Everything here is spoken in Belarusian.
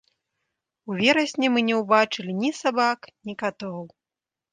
У верасні мы не ўбачылі ні сабак, ні катоў.